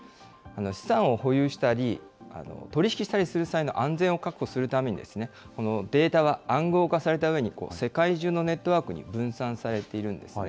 資産を保有したり、取り引きしたりする際の安全を確保するために、このデータが暗号化されたうえに、世界中のネットワークに分散されているんですね。